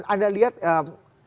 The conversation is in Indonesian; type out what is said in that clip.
anda lihat selama ini